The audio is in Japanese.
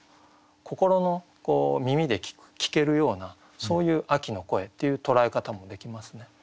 心の耳で聞けるようなそういう「秋の声」っていう捉え方もできますね。